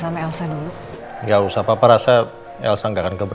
makasih ya kak